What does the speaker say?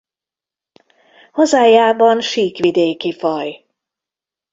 Hazájában síkvidéki faj.